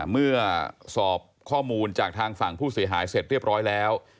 เมื่อสอบข้อมูลจากทางฝั่งผู้เสียหายเสร็จเรียบร้อยแล้ว